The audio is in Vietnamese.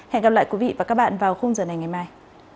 hẹn gặp lại quý vị và các bạn vào khung giờ này ngày mai